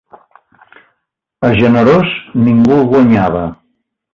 A generós ningú el guanyava.